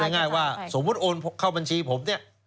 ง่ายว่าสมมุติโอนเข้าบัญชีผมเนี่ย